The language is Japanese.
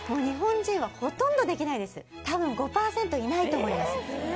多分５％いないと思います